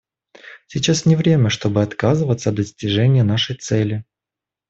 Сейчас не время, чтобы отказываться от достижения нашей цели.